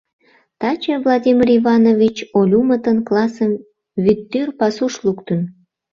Таче Владимир Иванович Олюмытын классым Вӱдтӱр пасуш луктын.